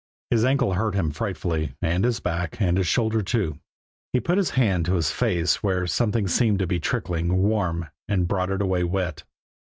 His ankle hurt him frightfully, and his back, and his shoulder, too. He put his hand to his face where something seemed to be trickling warm and brought it away wet.